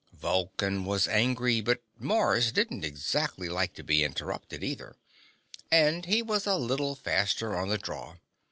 Vulcan was angry, but Mars didn't exactly like to be interrupted, either, and he was a little faster on the draw.